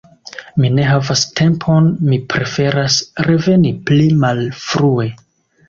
Mi ne havas tempon, mi preferas reveni pli malfrue.